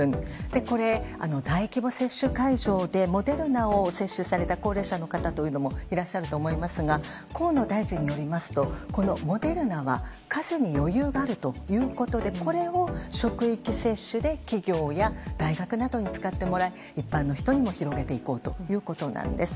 これ、大規模接種会場でモデルナを接種された高齢者の方もいらっしゃると思いますが河野大臣によりますとモデルナは数に余裕があるということでこれを職域接種で企業や大学などに使ってもらい一般の人にも広げていこうということです。